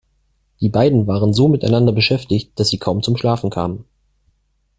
Die beiden waren so miteinander beschäftigt, dass sie kaum zum Schlafen kamen.